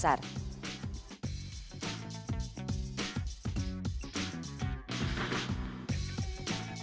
dan juga memakan biaya besar